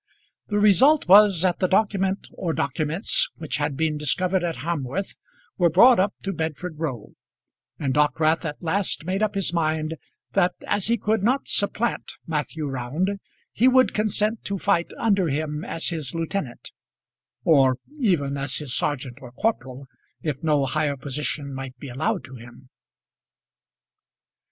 The result was that the document or documents which had been discovered at Hamworth were brought up to Bedford Row; and Dockwrath at last made up his mind that as he could not supplant Matthew Round, he would consent to fight under him as his lieutenant or even as his sergeant or corporal, if no higher position might be allowed to him.